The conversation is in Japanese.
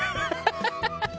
ハハハハ！